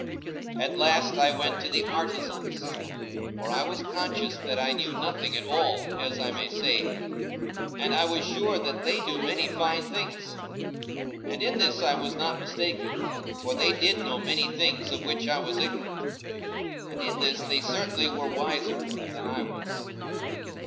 At last I went to the artisans, for I was conscious that I knew nothing at all, as I may say, and I was sure that they knew many fine things; and in this I was not mistaken, for they did know many things of which I was ignorant, and in this they certainly were wiser than I was.